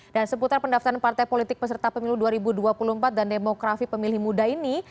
dan seputar pendaftaran partai politik peserta pemilu dua ribu dua puluh empat dan demokrasi pemilih muda ini